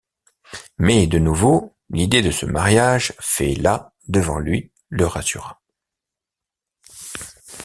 Mais, de nouveau, l’idée de ce mariage, fait là, devant lui, le rassura.